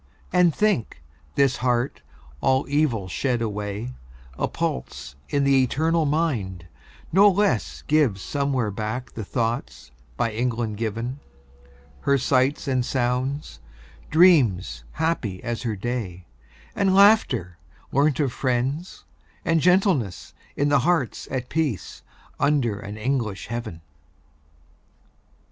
And think, this heart, all evil shed away, A pulse in the eternal mind, no less Gives somewhere back the thoughts by England given; Her sights and sounds; dreams happy as her day; And laughter, learnt of friends; and gentleness, In hearts at peace, under an English heaven.